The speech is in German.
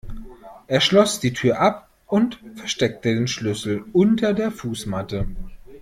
Er schloss die Tür ab und versteckte den Schlüssel unter der Fußmatte.